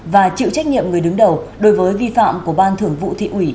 và chịu trách nhiệm người đứng đầu đối với vi phạm của ban thưởng vụ thị ủy